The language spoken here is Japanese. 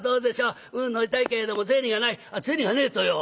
「うん乗りたいけれども銭がない」「銭がねえとよ」。